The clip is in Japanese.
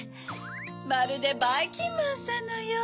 まるでばいきんまんさんのよう。